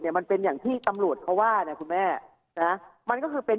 มันเป็นอย่างที่ตำรวจเขาว่านะคุณแม่นะมันก็คือเป็น